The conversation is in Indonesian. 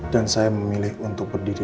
dan saya memilih untuk berdiri